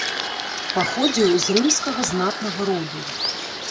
Паходзіў з рымскага знатнага роду.